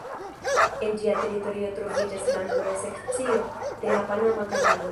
En ĝia teritorio troviĝas la norda sekcio de la Panama kanalo.